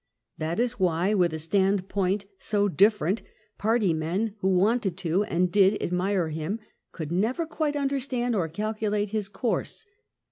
That is why, with a standpoint so different, party men, who wanted to and did admire him, could never quite understand or calculate his course.